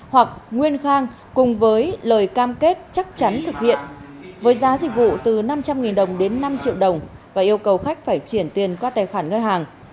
hoặc nguyên khang cùng với lời cam kết chắc chắn thực hiện với giá dịch vụ từ năm trăm linh đồng đến năm triệu đồng và yêu cầu khách phải chuyển tiền qua tài khoản ngân hàng